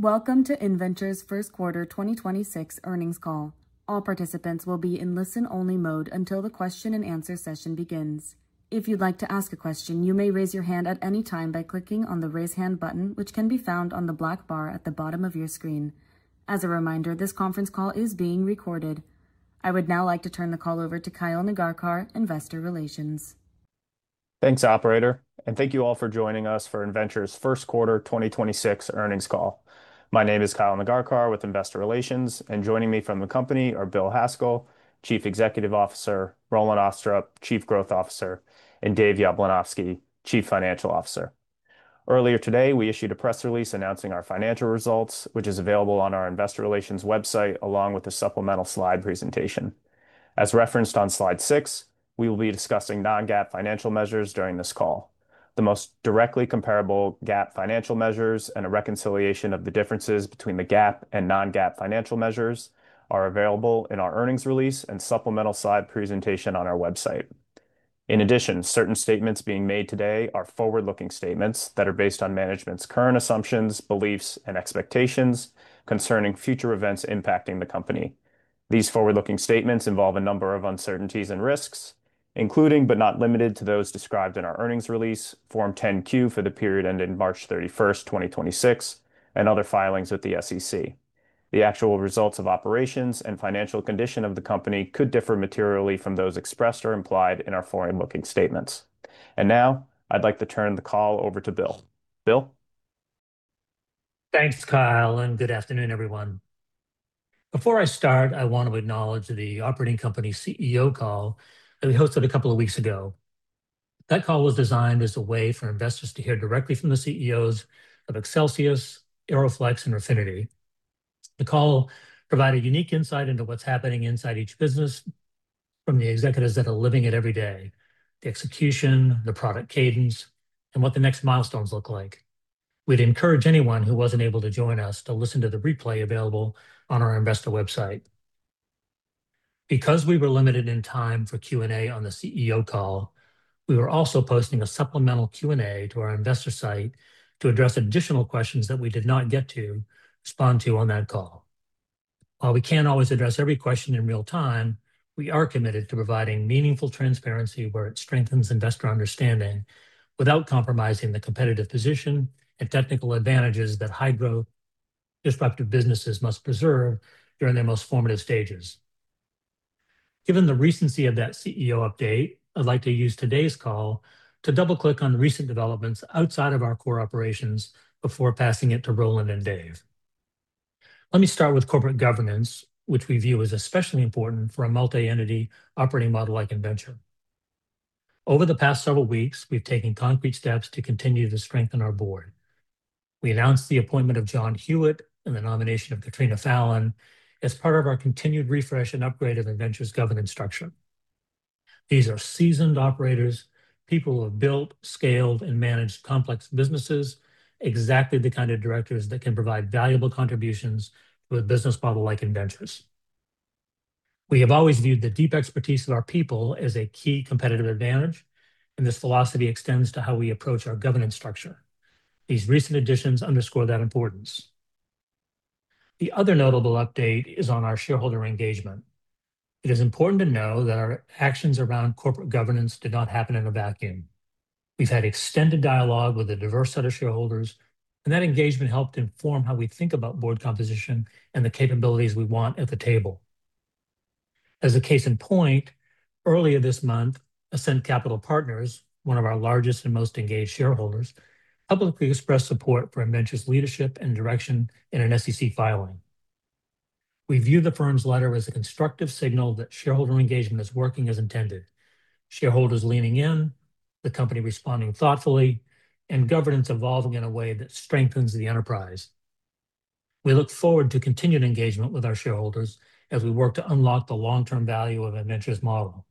Welcome to Innventure's first quarter 2026 earnings call. All participants will be in listen-only mode until the question and answer session begins. If you'd like to ask a question, you may raise your hand at any time by clicking on the Raise Hand button, which can be found on the black bar at the bottom of your screen. As a reminder, this conference call is being recorded. I would now like to turn the call over to Kyle Nagarkar, Investor Relations. Thanks, operator, Thank you all for joining us for Innventure's first quarter 2026 earnings call. My name is Kyle Nagarkar with Investor Relations, and joining me from the company are Bill Haskell, Chief Executive Officer, Roland Austrup, Chief Growth Officer, and Dave Yablunosky, Chief Financial Officer. Earlier today, we issued a press release announcing our financial results, which is available on our investor relations website, along with a supplemental slide presentation. As referenced on slide six, we will be discussing non-GAAP financial measures during this call. The most directly comparable GAAP financial measures and a reconciliation of the differences between the GAAP and non-GAAP financial measures are available in our earnings release and supplemental slide presentation on our website. In addition, certain statements being made today are forward-looking statements that are based on management's current assumptions, beliefs, and expectations concerning future events impacting the company. These forward-looking statements involve a number of uncertainties and risks, including, but not limited to, those described in our earnings release, Form 10-Q for the period ending March 31st, 2026, and other filings with the SEC. The actual results of operations and financial condition of the company could differ materially from those expressed or implied in our forward-looking statements. Now I'd like to turn the call over to Bill. Bill? Thanks, Kyle, and good afternoon, everyone. Before I start, I want to acknowledge the operating company CEO call that we hosted a couple of weeks ago. That call was designed as a way for investors to hear directly from the CEOs of Accelsius, AeroFlexx, and Refinity. The call provided unique insight into what's happening inside each business from the executives that are living it every day: the execution, the product cadence, and what the next milestones look like. We'd encourage anyone who wasn't able to join us to listen to the replay available on our investor website. Because we were limited in time for Q&A on the CEO call, we were also posting a supplemental Q&A to our investor site to address additional questions that we did not get to respond to on that call. While we can't always address every question in real time, we are committed to providing meaningful transparency where it strengthens investor understanding without compromising the competitive position and technical advantages that high-growth disruptive businesses must preserve during their most formative stages. Given the recency of that CEO update, I'd like to use today's call to double-click on recent developments outside of our core operations before passing it to Roland and Dave. Let me start with corporate governance, which we view as especially important for a multi-entity operating model like Innventure. Over the past several weeks, we've taken concrete steps to continue to strengthen our board. We announced the appointment of John Hewitt and the nomination of Catriona Fallon as part of our continued refresh and upgrade of Innventure's governance structure. These are seasoned operators, people who have built, scaled, and managed complex businesses, exactly the kind of directors that can provide valuable contributions to a business model like Innventure's. We have always viewed the deep expertise of our people as a key competitive advantage, and this philosophy extends to how we approach our governance structure. These recent additions underscore that importance. The other notable update is on our shareholder engagement. It is important to know that our actions around corporate governance did not happen in a vacuum. We've had extended dialogue with a diverse set of shareholders, and that engagement helped inform how we think about board composition and the capabilities we want at the table. As a case in point, earlier this month, Ascend Capital Partners, one of our largest and most engaged shareholders, publicly expressed support for Innventure's leadership and direction in an SEC filing. We view the firm's letter as a constructive signal that shareholder engagement is working as intended. Shareholders leaning in, the company responding thoughtfully, and governance evolving in a way that strengthens the enterprise. We look forward to continued engagement with our shareholders as we work to unlock the long-term value of Innventure's model.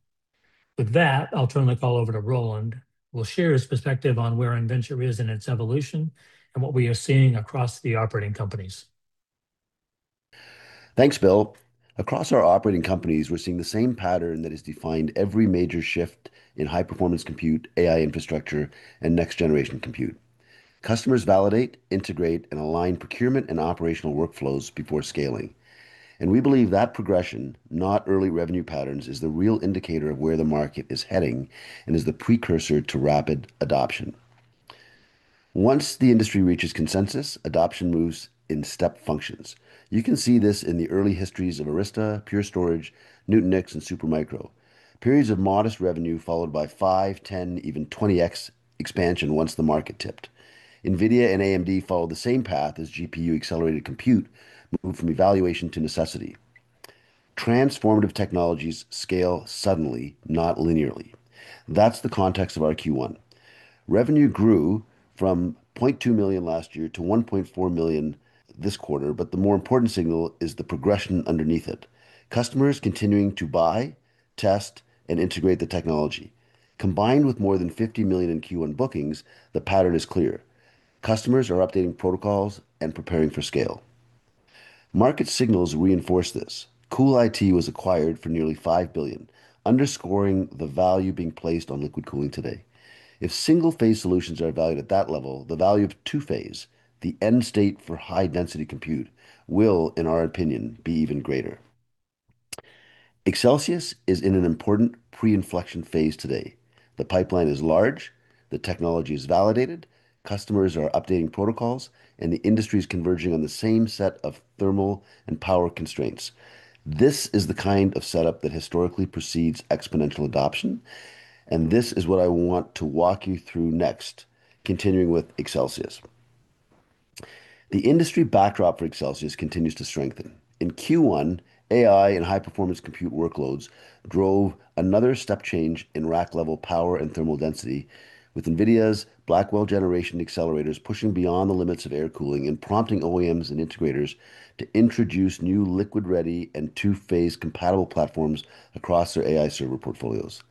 With that, I'll turn the call over to Roland, who will share his perspective on where Innventure is in its evolution and what we are seeing across the operating companies. Thanks, Bill. Across our operating companies, we're seeing the same pattern that has defined every major shift in high-performance compute, AI infrastructure, and next-generation compute. Customers validate, integrate, and align procurement and operational workflows before scaling. We believe that progression, not early revenue patterns, is the real indicator of where the market is heading and is the precursor to rapid adoption. Once the industry reaches consensus, adoption moves in step functions. You can see this in the early histories of Arista, Pure Storage, Nutanix, and Supermicro. Periods of modest revenue followed by 5x, 10x, even 20x expansion once the market tipped. Nvidia and AMD followed the same path as GPU-accelerated compute moved from evaluation to necessity. Transformative technologies scale suddenly, not linearly. That's the context of our Q1. Revenue grew from $0.2 million last year to $1.4 million this quarter, but the more important signal is the progression underneath it. Customers continuing to buy, test, and integrate the technology. Combined with more than $50 million in Q1 bookings, the pattern is clear. Customers are updating protocols and preparing for scale. Market signals reinforce this. CoolIT was acquired for nearly $5 billion, underscoring the value being placed on liquid cooling today. If 1-phase solutions are valued at that level, the value of two-phase, the end state for high-density compute, will, in our opinion, be even greater. Accelsius is in an important pre-inflection phase today. The pipeline is large, the technology is validated, customers are updating protocols, and the industry is converging on the same set of thermal and power constraints. This is the kind of setup that historically precedes exponential adoption, and this is what I want to walk you through next, continuing with Accelsius. The industry backdrop for Accelsius continues to strengthen. In Q1, AI and high-performance compute workloads drove another step change in rack-level power and thermal density, with NVIDIA's Blackwell generation accelerators pushing beyond the limits of air cooling and prompting OEMs and integrators to introduce new liquid-ready and two-phase compatible platforms across their AI server portfolios.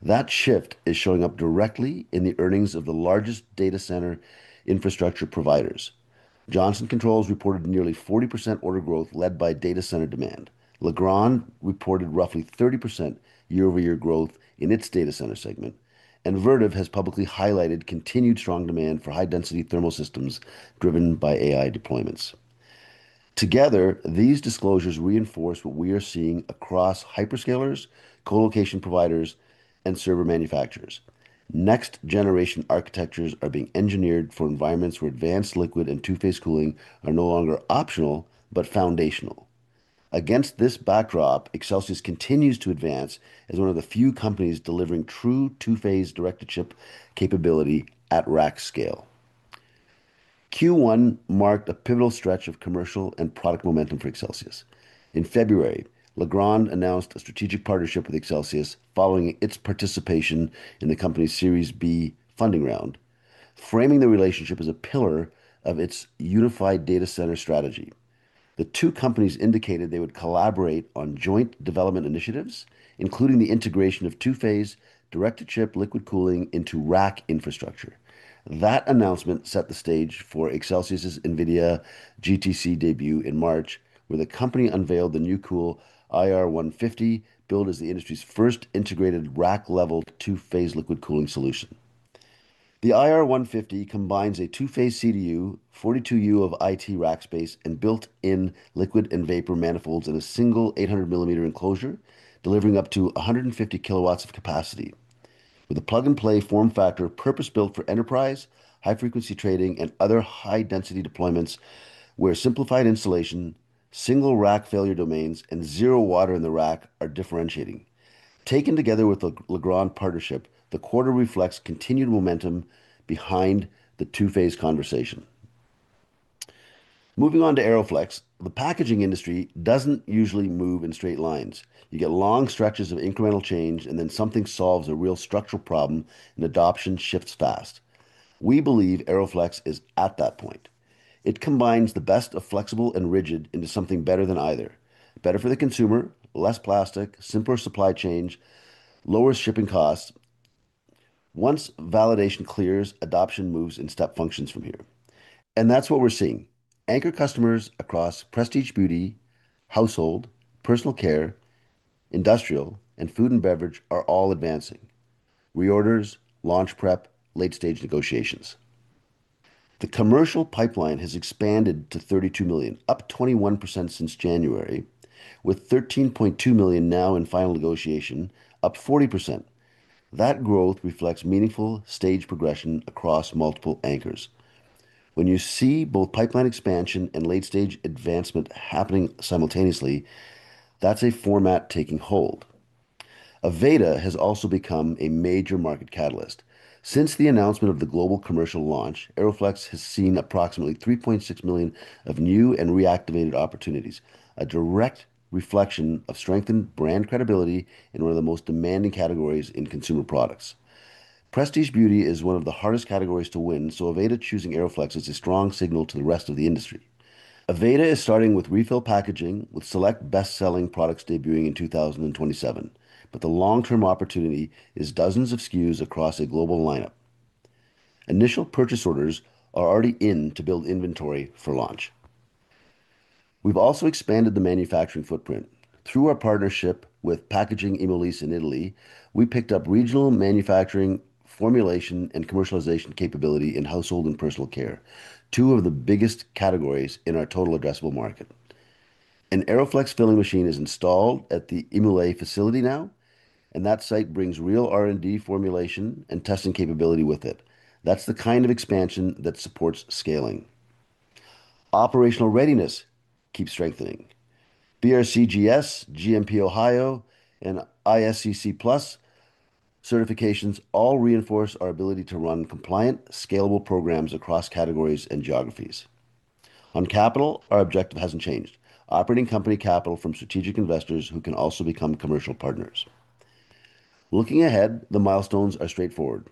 That shift is showing up directly in the earnings of the largest data center infrastructure providers. Johnson Controls reported nearly 40% order growth led by data center demand. Legrand reported roughly 30% year-over-year growth in its data center segment. Vertiv has publicly highlighted continued strong demand for high-density thermal systems driven by AI deployments. Together, these disclosures reinforce what we are seeing across hyperscalers, co-location providers, and server manufacturers. Next-generation architectures are being engineered for environments where advanced liquid and two-phase cooling are no longer optional but foundational. Against this backdrop, Accelsius continues to advance as one of the few companies delivering true two-phase direct-to-chip capability at rack scale. Q1 marked a pivotal stretch of commercial and product momentum for Accelsius. In February, Legrand announced a strategic partnership with Accelsius following its participation in the company's Series B funding round, framing the relationship as a pillar of its unified data center strategy. The two companies indicated they would collaborate on joint development initiatives, including the integration of two-phase direct-to-chip liquid cooling into rack infrastructure. That announcement set the stage for Accelsius' NVIDIA GTC debut in March, where the company unveiled the NeuCool IR150, billed as the industry's first integrated rack-level two-phase liquid cooling solution. The IR150 combines a two-phase CDU, 42 U of IT rack space, and built-in liquid and vapor manifolds in a single 800mm enclosure, delivering up to 150kW of capacity. With a plug-and-play form factor purpose-built for enterprise, high-frequency trading, and other high-density deployments where simplified installation, single rack failure domains, and zero water in the rack are differentiating. Taken together with the Legrand partnership, the quarter reflects continued momentum behind the two-phase conversation. Moving on to AeroFlexx, the packaging industry doesn't usually move in straight lines. You get long stretches of incremental change, and then something solves a real structural problem and adoption shifts fast. We believe AeroFlexx is at that point. It combines the best of flexible and rigid into something better than either. Better for the consumer, less plastic, simpler supply chains, lower shipping costs. Once validation clears, adoption moves in step functions from here. That's what we're seeing. Anchor customers across prestige beauty, household, personal care, industrial, and food and beverage are all advancing. Reorders, launch prep, late-stage negotiations. The commercial pipeline has expanded to $32 million, up 21% since January, with $13.2 million now in final negotiation, up 40%. That growth reflects meaningful stage progression across multiple anchors. When you see both pipeline expansion and late-stage advancement happening simultaneously, that's a format taking hold. Aveda has also become a major market catalyst. Since the announcement of the global commercial launch, AeroFlexx has seen approximately $3.6 million of new and reactivated opportunities, a direct reflection of strengthened brand credibility in one of the most demanding categories in consumer products. Prestige beauty is one of the hardest categories to win. Aveda choosing AeroFlexx is a strong signal to the rest of the industry. Aveda is starting with refill packaging with select best-selling products debuting in 2027, but the long-term opportunity is dozens of SKUs across a global lineup. Initial purchase orders are already in to build inventory for launch. We've also expanded the manufacturing footprint. Through our partnership with Packaging Imolese in Italy, we picked up regional manufacturing, formulation, and commercialization capability in household and personal care, two of the biggest categories in our total addressable market. An AeroFlexx filling machine is installed at the Packaging Imolese facility now, and that site brings real R&D formulation and testing capability with it. That's the kind of expansion that supports scaling. Operational readiness keeps strengthening. BRCGS, GMP Ohio, and ISCC+ certifications all reinforce our ability to run compliant, scalable programs across categories and geographies. On capital, our objective hasn't changed. Operating company capital from strategic investors who can also become commercial partners. Looking ahead, the milestones are straightforward.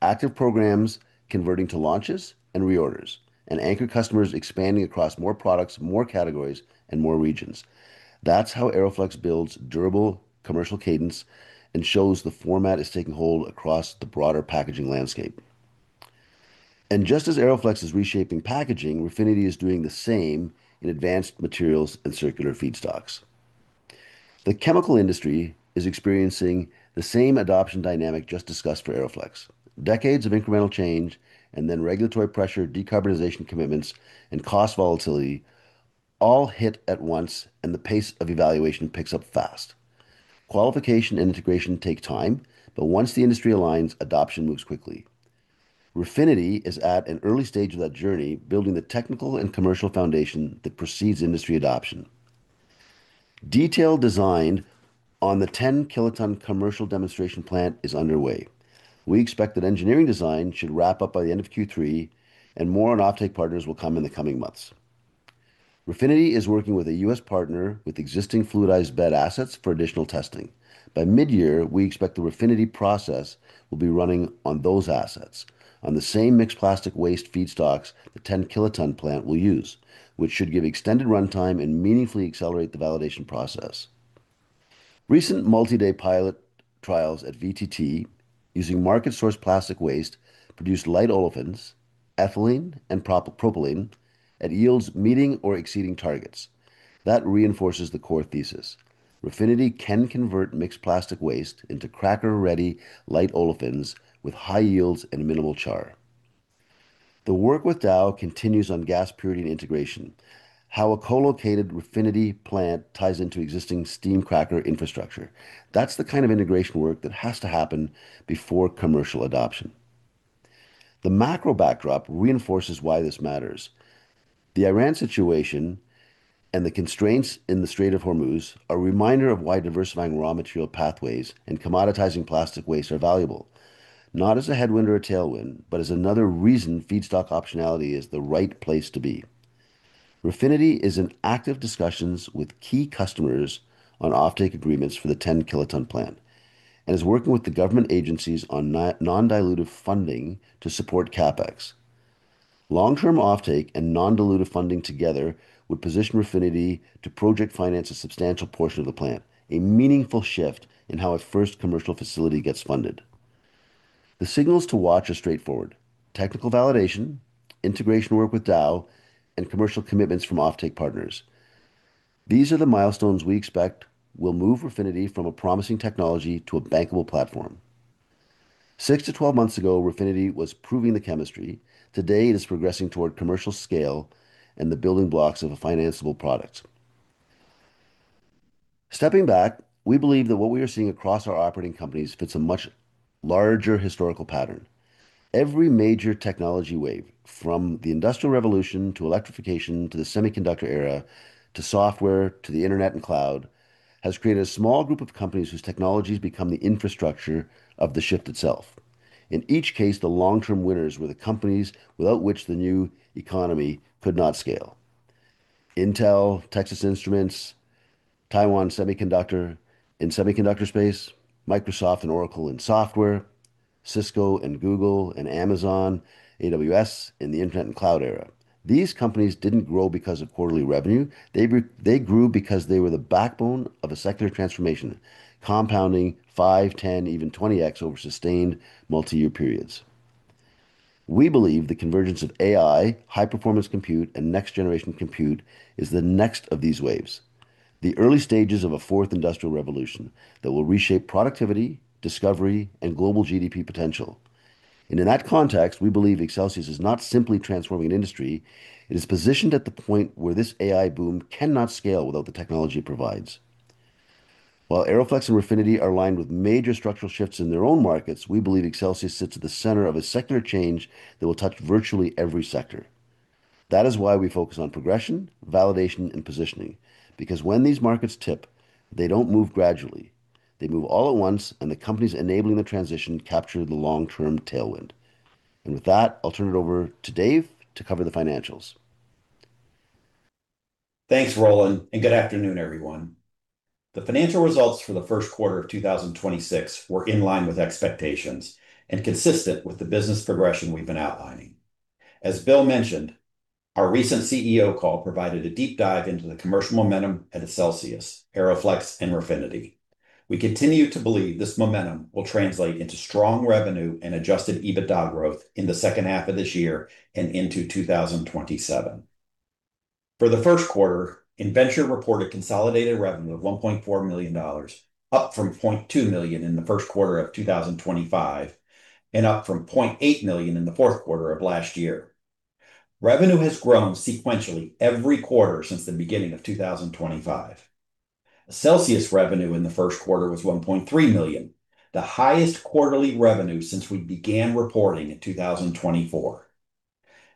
Active programs converting to launches and reorders, and anchor customers expanding across more products, more categories, and more regions. That's how AeroFlexx builds durable commercial cadence and shows the format is taking hold across the broader packaging landscape. Just as AeroFlexx is reshaping packaging, Refinity is doing the same in advanced materials and circular feedstocks. The chemical industry is experiencing the same adoption dynamic just discussed for AeroFlexx. Decades of incremental change and then regulatory pressure, decarbonization commitments, and cost volatility all hit at once, and the pace of evaluation picks up fast. Qualification and integration take time, but once the industry aligns, adoption moves quickly. Refinity is at an early stage of that journey, building the technical and commercial foundation that precedes industry adoption. Detailed design on the 10kt commercial demonstration plant is underway. We expect that engineering design should wrap up by the end of Q3, and more on offtake partners will come in the coming months. Refinity is working with a U.S. partner with existing fluidized bed assets for additional testing. By mid-year, we expect the Refinity process will be running on those assets on the same mixed plastic waste feedstocks the 10-kiloton plant will use, which should give extended runtime and meaningfully accelerate the validation process. Recent multi-day pilot trials at VTT using market-sourced plastic waste produced light olefins, ethylene and prop-propylene at yields meeting or exceeding targets. That reinforces the core thesis. Refinity can convert mixed plastic waste into cracker-ready light olefins with high yields and minimal char. The work with Dow continues on gas purity and integration, how a co-located Refinity plant ties into existing steam cracker infrastructure. That's the kind of integration work that has to happen before commercial adoption. The macro backdrop reinforces why this matters. The Iran situation and the constraints in the Strait of Hormuz are a reminder of why diversifying raw material pathways and commoditizing plastic waste are valuable, not as a headwind or a tailwind, but as another reason feedstock optionality is the right place to be. Refinity is in active discussions with key customers on offtake agreements for the 10kt plant and is working with the government agencies on non-dilutive funding to support CapEx. Long-term offtake and non-dilutive funding together would position Refinity to project finance a substantial portion of the plant, a meaningful shift in how a first commercial facility gets funded. The signals to watch are straightforward, technical validation, integration work with Dow, and commercial commitments from offtake partners. These are the milestones we expect will move Refinity from a promising technology to a bankable platform. six to 12 months ago, Refinity was proving the chemistry. Today, it is progressing toward commercial scale and the building blocks of a financeable product. Stepping back, we believe that what we are seeing across our operating companies fits a much larger historical pattern. Every major technology wave, from the Industrial Revolution to electrification to the semiconductor era to software to the internet and cloud, has created a small group of companies whose technologies become the infrastructure of the shift itself. In each case, the long-term winners were the companies without which the new economy could not scale. Intel, Texas Instruments, Taiwan Semiconductor in semiconductor space, Microsoft and Oracle in software, Cisco, Google, and Amazon, AWS in the internet and cloud era. These companies didn't grow because of quarterly revenue. They grew because they were the backbone of a secular transformation, compounding 5x, 10x, even 20x over sustained multi-year periods. We believe the convergence of AI, high-performance compute, and next-generation compute is the next of these waves, the early stages of a fourth industrial revolution that will reshape productivity, discovery, and global GDP potential. In that context, we believe Accelsius is not simply transforming an industry, it is positioned at the point where this AI boom cannot scale without the technology it provides. While AeroFlexx and Refinity are aligned with major structural shifts in their own markets, we believe Accelsius sits at the center of a secular change that will touch virtually every sector. That is why we focus on progression, validation, and positioning, because when these markets tip, they don't move gradually. They move all at once, and the companies enabling the transition capture the long-term tailwind. With that, I'll turn it over to Dave to cover the financials. Thanks, Roland, good afternoon, everyone. The financial results for the first quarter of 2026 were in line with expectations and consistent with the business progression we've been outlining. As Bill mentioned, our recent CEO call provided a deep dive into the commercial momentum at Accelsius, AeroFlexx, and Refinity. We continue to believe this momentum will translate into strong revenue and adjusted EBITDA growth in the second half of this year and into 2027. For the first quarter, Innventure reported consolidated revenue of $1.4 million, up from $0.2 million in the first quarter of 2025 and up from $0.8 million in the fourth quarter of last year. Revenue has grown sequentially every quarter since the beginning of 2025. Accelsius revenue in the first quarter was $1.3 million, the highest quarterly revenue since we began reporting in 2024.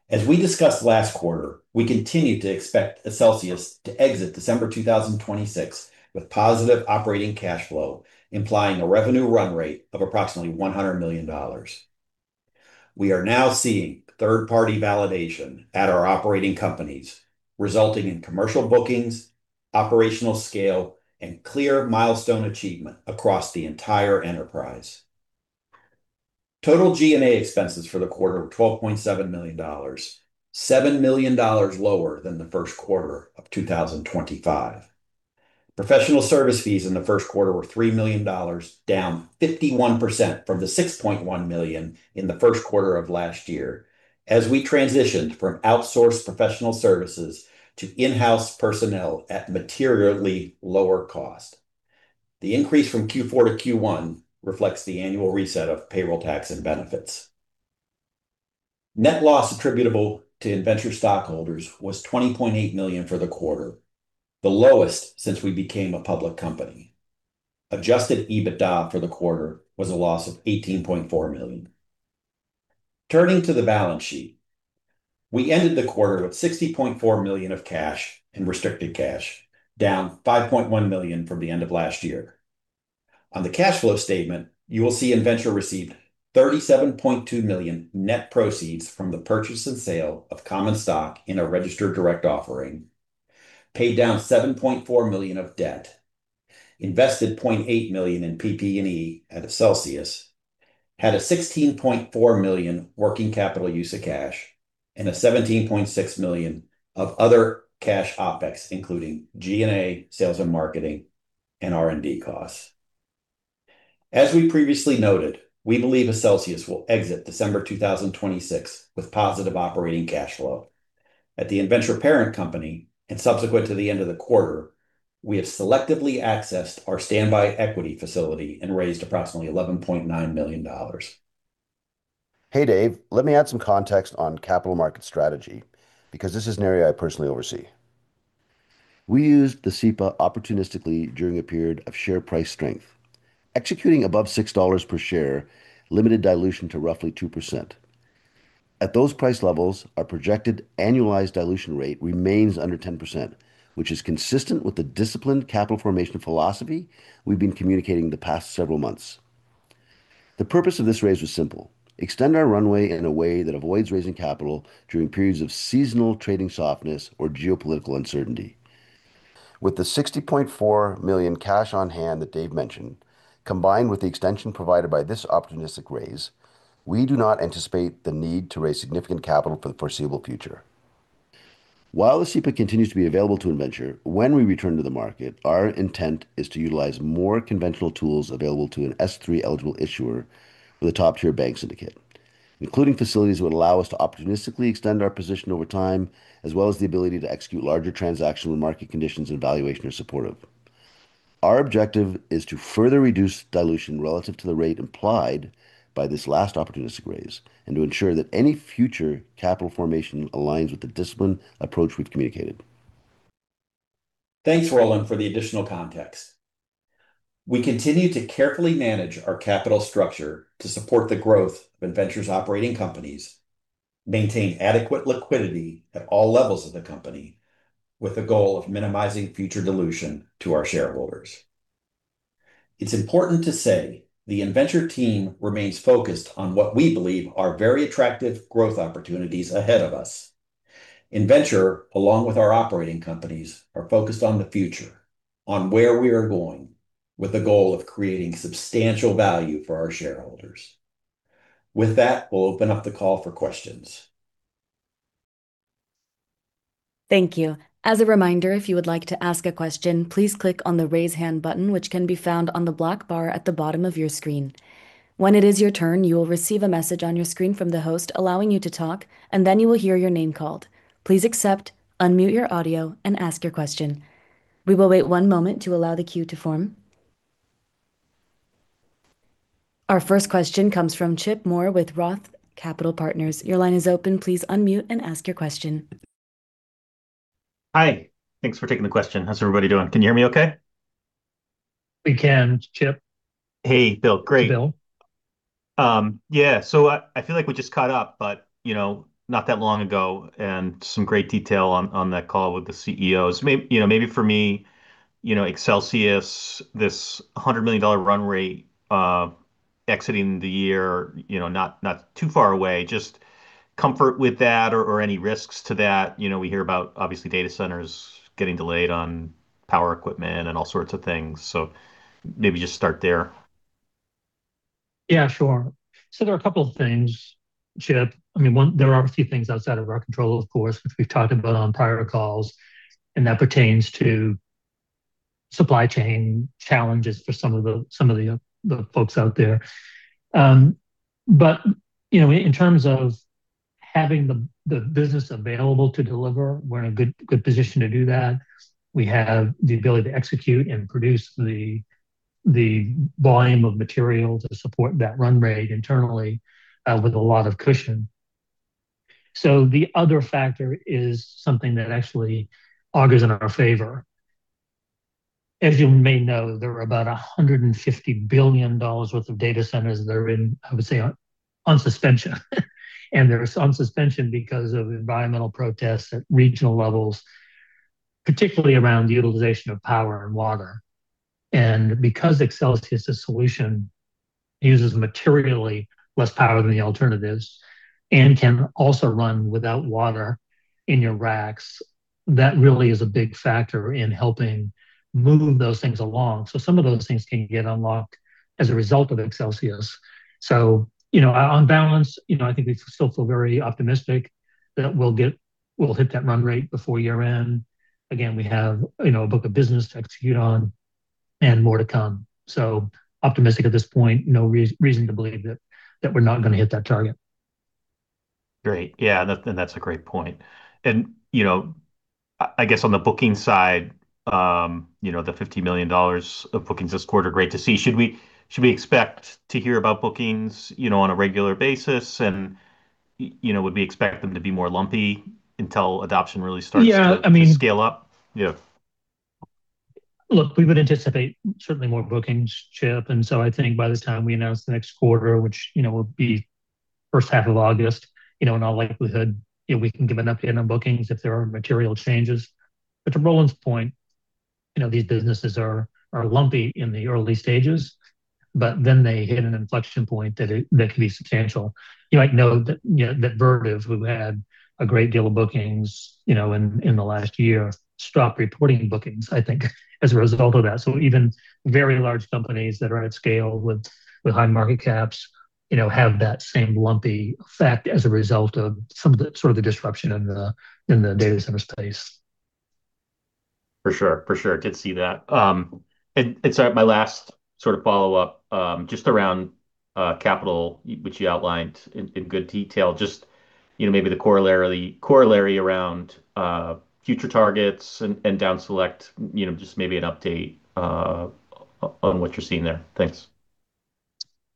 As we discussed last quarter, we continue to expect Accelsius to exit December 2026 with positive operating cash flow, implying a revenue run rate of approximately $100 million. We are now seeing third-party validation at our operating companies, resulting in commercial bookings, operational scale, and clear milestone achievement across the entire enterprise. Total G&A expenses for the quarter were $12.7 million, $7 million lower than the first quarter of 2025. Professional service fees in the first quarter were $3 million, down 51% from the $6.1 million in the first quarter of last year as we transitioned from outsourced professional services to in-house personnel at materially lower cost. The increase from Q4 to Q1 reflects the annual reset of payroll tax and benefits. Net loss attributable to Innventure stockholders was $20.8 million for the quarter, the lowest since we became a public company. adjusted EBITDA for the quarter was a loss of $18.4 million. Turning to the balance sheet, we ended the quarter with $60.4 million of cash and restricted cash, down $5.1 million from the end of last year. On the cash flow statement, you will see Innventure receive $37.2 million net proceeds from the purchase and sale of common stock in a registered direct offering, paid down $7.4 million of debt, invested $0.8 million in PP&E out of Accelsius, had a $16.4 million working capital use of cash, and a $17.6 million of other cash OpEx, including G&A, sales and marketing, and R&D costs. As we previously noted, we believe Accelsius will exit December 2026 with positive operating cash flow. At the Innventure parent company, subsequent to the end of the quarter, we have selectively accessed our standby equity facility and raised approximately $11.9 million. Hey Dave, let me add some context on capital market strategy because this is an area I personally oversee. We used the SEPA opportunistically during a period of share price strength. Executing above $6 per share limited dilution to roughly 2%. At those price levels, our projected annualized dilution rate remains under 10%, which is consistent with the disciplined capital formation philosophy we've been communicating the past several months. The purpose of this raise was simple: extend our runway in a way that avoids raising capital during periods of seasonal trading softness or geopolitical uncertainty. With the $60.4 million cash on hand that Dave mentioned, combined with the extension provided by this opportunistic raise, we do not anticipate the need to raise significant capital for the foreseeable future. While the SEPA continues to be available to Innventure, when we return to the market, our intent is to utilize more conventional tools available to an S-3 eligible issuer with a top-tier bank syndicate, including facilities that would allow us to opportunistically extend our position over time, as well as the ability to execute larger transactions when market conditions and valuation are supportive. Our objective is to further reduce dilution relative to the rate implied by this last opportunistic raise, and to ensure that any future capital formation aligns with the disciplined approach we've communicated. Thanks, Roland, for the additional context. We continue to carefully manage our capital structure to support the growth of Innventure's operating companies, maintain adequate liquidity at all levels of the company, with the goal of minimizing future dilution to our shareholders. It's important to say the Innventure team remains focused on what we believe are very attractive growth opportunities ahead of us. Innventure, along with our operating companies, are focused on the future, on where we are going, with the goal of creating substantial value for our shareholders. With that, we'll open up the call for questions. Thank you. As a reminder, if you would like to ask a question, please click on the Raise Hand button, which can be found on the black bar at the bottom of your screen. When it is your turn, you will receive a message on your screen from the host allowing you to talk, and then you will hear your name called. Please accept, unmute your audio, and ask your question. We will wait one moment to allow the queue to form. Our first question comes from Chip Moore with Roth Capital Partners. Your line is open. Please unmute and ask your question. Hi. Thanks for taking the question. How's everybody doing? Can you hear me okay? We can, Chip. Hey, Bill. Great. Yeah, I feel like we just caught up, but, you know, not that long ago, and some great detail on that call with the CEOs. Maybe for me, you know, Accelsius, this $100 million run rate, exiting the year, you know, not too far away, just comfort with that or any risks to that. You know, we hear about obviously data centers getting delayed on power equipment and all sorts of things, maybe just start there. Yeah, sure. There are two things, Chip. I mean, one, there are a few things outside of our control, of course, which we've talked about on prior calls, and that pertains to supply chain challenges for some of the folks out there. You know, in terms of having the business available to deliver, we're in a good position to do that. We have the ability to execute and produce the volume of material to support that run rate internally, with a lot of cushion. The other factor is something that actually augers in our favor. As you may know, there are about $150 billion worth of data centers that are in, I would say, on suspension. They're on suspension because of environmental protests at regional levels, particularly around the utilization of power and water. Because Accelsius's solution uses materially less power than the alternatives and can also run without water in your racks, that really is a big factor in helping move those things along. Some of those things can get unlocked as a result of Accelsius. You know, on balance, you know, I think we still feel very optimistic that we'll hit that run rate before year-end. Again, we have, you know, a book of business to execute on. More to come. Optimistic at this point. No reason to believe that we're not gonna hit that target. Great. Yeah. That's a great point. You know, I guess on the booking side, you know, the $50 million of bookings this quarter, great to see. Should we expect to hear about bookings, you know, on a regular basis? You know, would we expect them to be more lumpy until adoption really starts. Yeah, I mean- to scale up? Yeah. Look, we would anticipate certainly more bookings, Chip, and so I think by the time we announce the next quarter, which, you know, will be first half of August, you know, in all likelihood, you know, we can give an update on bookings if there are material changes. To Roland's point, you know, these businesses are lumpy in the early stages, but then they hit an inflection point that can be substantial. You might know that, you know, that Vertiv, who had a great deal of bookings, you know, in the last year, stopped reporting bookings, I think, as a result of that. Even very large companies that are at scale with high market caps, you know, have that same lumpy effect as a result of some of the sort of the disruption in the data center space. For sure. For sure. Did see that. My last sort of follow-up just around capital, which you outlined in good detail, just, you know, maybe the corollary around future targets and down select, you know, just maybe an update on what you're seeing there. Thanks.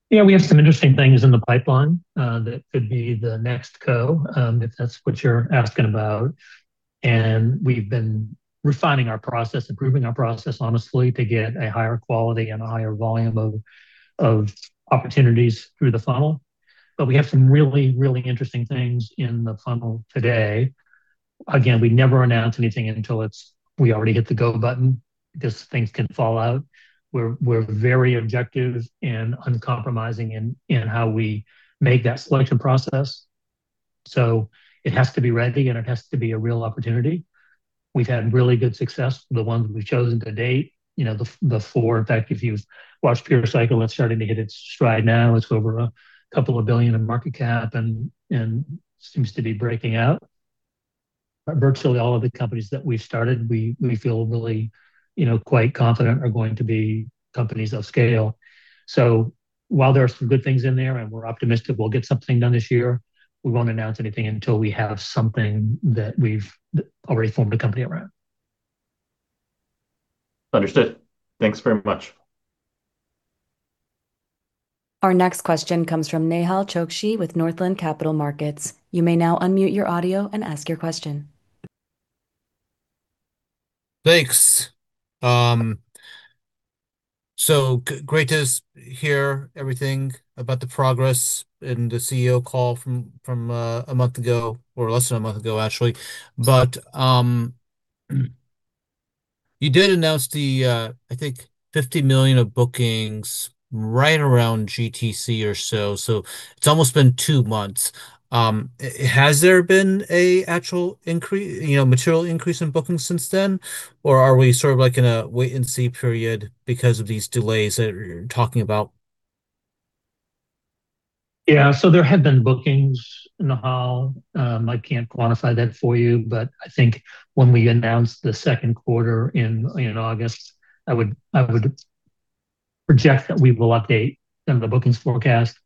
We have some interesting things in the pipeline that could be the next if that's what you're asking about. We've been refining our process, improving our process, honestly, to get a higher quality and a higher volume of opportunities through the funnel. We have some really, really interesting things in the funnel today. Again, we never announce anything until we already hit the go button because things can fall out. We're very objective and uncompromising in how we make that selection process. It has to be ready, and it has to be a real opportunity. We've had really good success with the ones we've chosen to date, you know, the four. In fact, if you've watched PureCycle, it's starting to hit its stride now. It's over a couple of billion in market cap and seems to be breaking out. Virtually all of the companies that we've started, we feel really, you know, quite confident are going to be companies of scale. While there are some good things in there and we're optimistic we'll get something done this year, we won't announce anything until we have something that we've already formed a company around. Understood. Thanks very much. Our next question comes from Nehal Chokshi with Northland Capital Markets. You may now unmute your audio and ask your question. Thanks. Great to hear everything about the progress in the CEO call from a month ago or less than a month ago, actually. You did announce the, I think $50 million of bookings right around GTC or so it's almost been two months. Has there been a actual increase, you know, material increase in bookings since then, or are we sort of like in a wait-and-see period because of these delays that you're talking about? There have been bookings, Nehal. I can't quantify that for you, but I think when we announce the second quarter in August, I would, I would project that we will update some of the bookings forecast.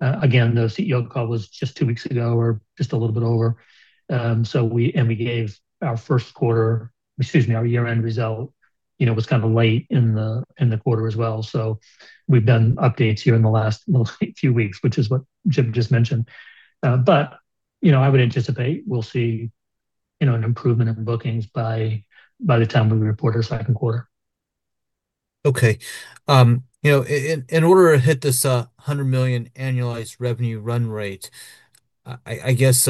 Again, the CEO call was just two weeks ago or just a little bit over. We gave our first quarter Excuse me, our year-end result was kind of late in the quarter as well. We've done updates here in the last few weeks, which is what Chip just mentioned. I would anticipate we'll see an improvement in bookings by the time we report our second quarter. Okay. You know, in order to hit this $100 million annualized revenue run rate, I guess,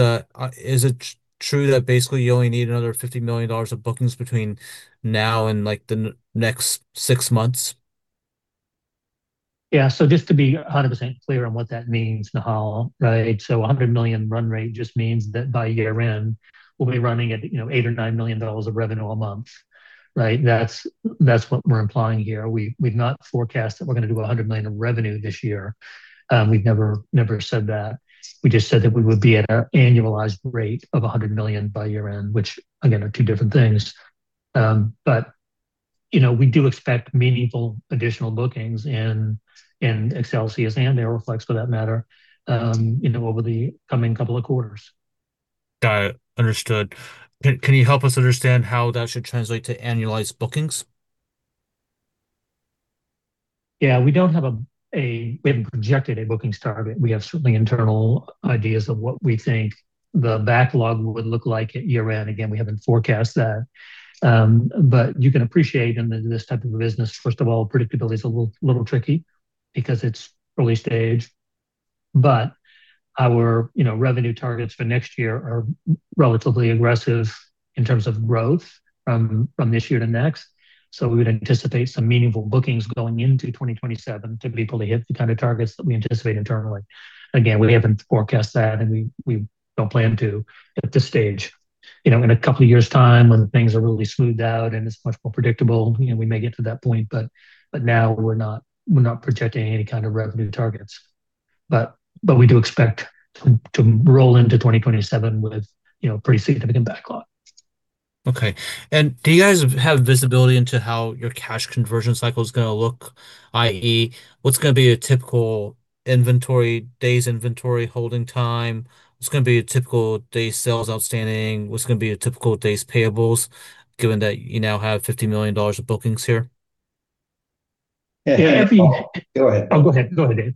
is it true that basically you only need another $50 million of bookings between now and, like, the next 6 months? Yeah. Just to be 100% clear on what that means, Nehal, right? $100 million run rate just means that by year-end, we'll be running at, you know, $8 million or $9 million of revenue a month, right? That's what we're implying here. We've not forecast that we're gonna do $100 million of revenue this year. We've never said that. We just said that we would be at an annualized rate of $100 million by year-end, which again, are two different things. You know, we do expect meaningful additional bookings in Accelsius and AeroFlexx for that matter, you know, over the coming couple of quarters. Got it. Understood. Can you help us understand how that should translate to annualized bookings? We don't have we haven't projected a bookings target. We have certainly internal ideas of what we think the backlog would look like at year-end. Again, we haven't forecast that. You can appreciate in this type of business, first of all, predictability is a little tricky because it's early stage. Our, you know, revenue targets for next year are relatively aggressive in terms of growth from this year to next. We would anticipate some meaningful bookings going into 2027 to be able to hit the kind of targets that we anticipate internally. Again, we haven't forecast that, and we don't plan to at this stage. You know, in a couple of years' time when things are really smoothed out and it's much more predictable, you know, we may get to that point, but now we're not projecting any kind of revenue targets. We do expect to roll into 2027 with, you know, pretty significant backlog. Okay. Do you guys have visibility into how your cash conversion cycle is gonna look, i.e., what's gonna be a typical inventory, days inventory holding time? What's gonna be a typical day sales outstanding? What's gonna be a typical days payables given that you now have $50 million of bookings here? Yeah, Nehal Go ahead. Go ahead. Go ahead, Dave.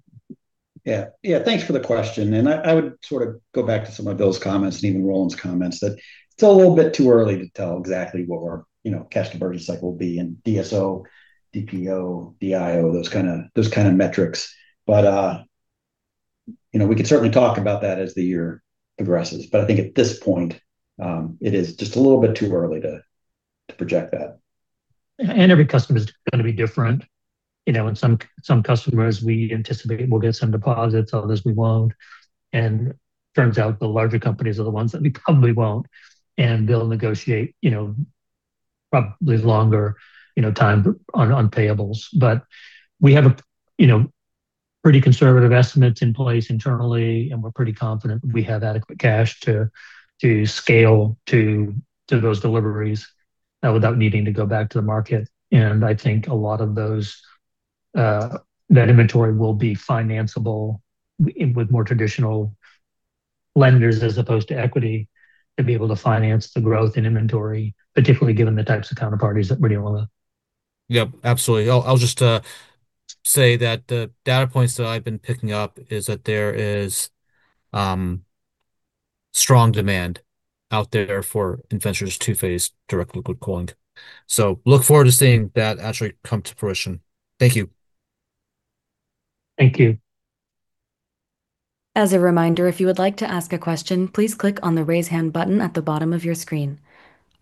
Yeah. Yeah, thanks for the question. I would sort of go back to some of Bill's comments and even Roland's comments that it's a little bit too early to tell exactly what our, you know, cash conversion cycle will be and DSO, DPO, DIO, those kind of metrics. You know, we can certainly talk about that as the year progresses. I think at this point, it is just a little bit too early to project that. Every customer's gonna be different. You know, some customers we anticipate will get some deposits, others we won't. Turns out the larger companies are the ones that we probably won't, and they'll negotiate, you know, probably longer, you know, time on payables. We have a, you know, pretty conservative estimates in place internally, and we're pretty confident we have adequate cash to scale to those deliveries without needing to go back to the market. I think a lot of those that inventory will be financiable with more traditional lenders as opposed to equity to be able to finance the growth in inventory, particularly given the types of counterparties that we're dealing with. Yep, absolutely. I'll just say that the data points that I've been picking up is that there is strong demand out there for Innventure's two-phase direct liquid cooling. Look forward to seeing that actually come to fruition. Thank you. Thank you. As a reminder, if you would like to ask a question, please click on the Raise Hand button at the bottom of your screen.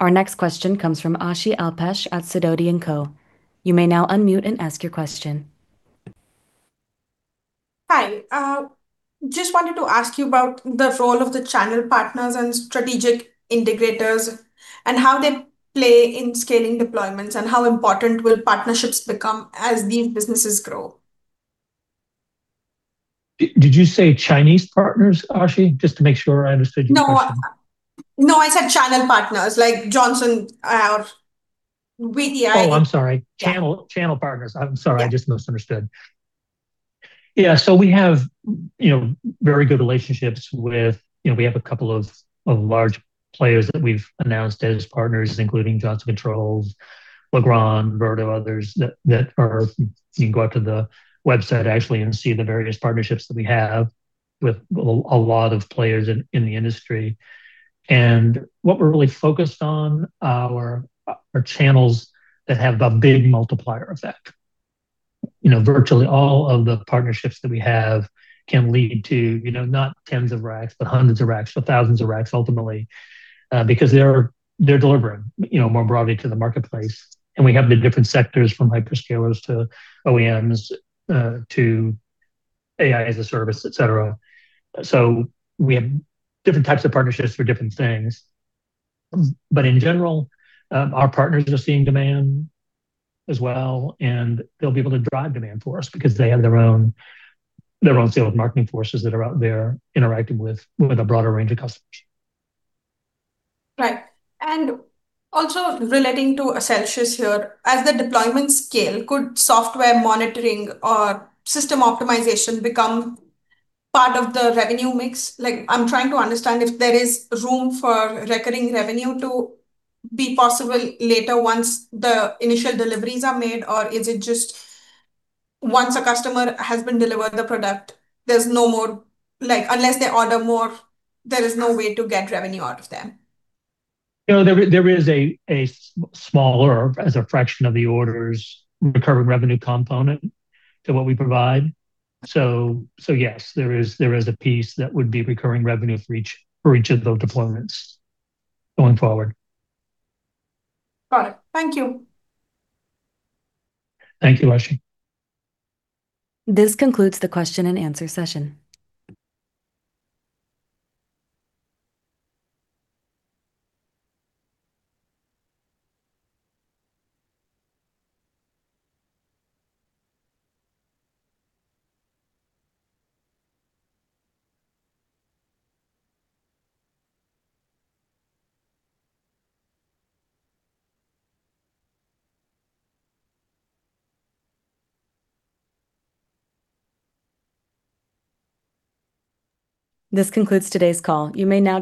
Our next question comes from Aashi Shah at Sidoti & Co. You may now unmute and ask your question. Hi. Just wanted to ask you about the role of the channel partners and strategic integrators and how they play in scaling deployments, and how important will partnerships become as these businesses grow? Did you say Chinese partners, Aashi, just to make sure I understood your question? No. No, I said channel partners, like Johnson or Vertiv. Oh, I'm sorry. Channel partners. I'm sorry. Yeah. I just misunderstood. We have, you know, very good relationships with, you know, we have a couple of large players that we've announced as partners, including Johnson Controls, Legrand, Vertiv. You can go out to the website actually and see the various partnerships that we have with a lot of players in the industry. What we're really focused on are channels that have a big multiplier effect. You know, virtually all of the partnerships that we have can lead to, you know, not tens of racks, but hundreds of racks or thousands of racks ultimately, because they're delivering, you know, more broadly to the marketplace. We have the different sectors from hyperscalers to OEMs, to AI as a service, et cetera. We have different types of partnerships for different things. In general, our partners are seeing demand as well, and they'll be able to drive demand for us because they have their own sales marketing forces that are out there interacting with a broader range of customers. Right. Also relating to Accelsius here. As the deployment scale, could software monitoring or system optimization become part of the revenue mix? Like, I'm trying to understand if there is room for recurring revenue to be possible later once the initial deliveries are made, or is it just once a customer has been delivered the product, there's no more, like, unless they order more, there is no way to get revenue out of them. No, there is a smaller, as a fraction of the orders, recurring revenue component to what we provide. Yes, there is a piece that would be recurring revenue for each of those deployments going forward. Got it. Thank you. Thank you, Aashi. This concludes the question and answer session. This concludes today's call. You may now dis-.